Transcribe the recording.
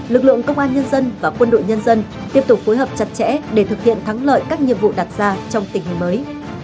lực lượng công an nhân dân và quân đội nhân dân tiếp tục phối hợp chặt chẽ để thực hiện thắng lợi các nhiệm vụ đặt ra trong tình hình mới